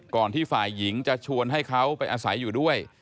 ที่ฝ่ายหญิงจะชวนให้เขาไปอาศัยอยู่ด้วย